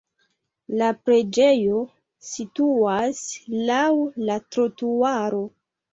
La preĝejo situas laŭ la trotuaro.